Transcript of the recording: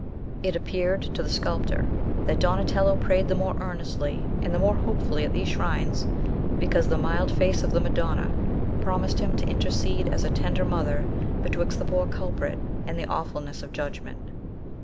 It appeared to the sculptor that Donatello prayed the more earnestly and the more hopefully at these shrines, because the mild face of the Madonna promised him to intercede as a tender mother betwixt the poor culprit and the awfulness of judgment.